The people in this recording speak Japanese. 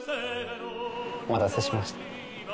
お待たせしました。